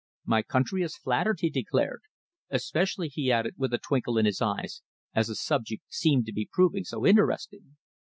"My country is flattered," he declared, "especially," he added, with a twinkle in his eyes, "as the subject seemed to be proving so interesting."